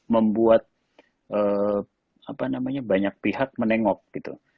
membuat banyak pihak menengok gitu